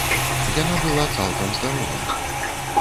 Яна была цалкам здаровая.